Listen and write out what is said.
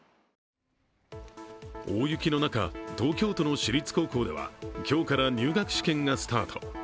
大雪の中、東京都の私立高校では今日から入学試験がスタート。